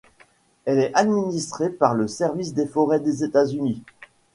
Elle est administrée par le Service des forêts des États-Unis.